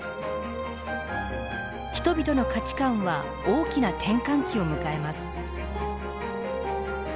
人々の価値観は大きな転換期を迎えます。